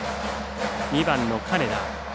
２番の金田。